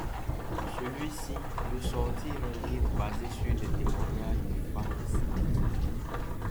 Celui-ci veut sortir un livre basé sur des témoignages de femmes enceintes.